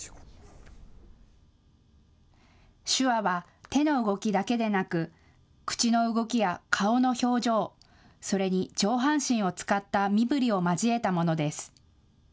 手話は手の動きだけでなく口の動きや顔の表情、それに上半身を使った身ぶりを交えたものです。